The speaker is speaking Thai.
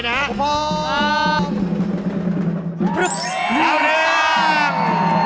เหละเรื่อง